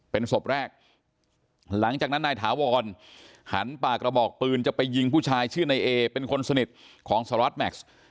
เป็นศพแรกหลังจากนั้นนายถาวรหันปากกระบอกปืนจะไปยิงผู้ชายชื่อนายเอเป็นคนสนิทของสหรัฐแม็กซ์